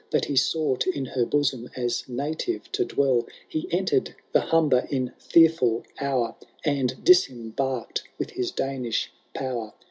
That he sought in her bosom as native to dwell. * He entered the Hmnber in fearful hour, And disembarked with his Danish power.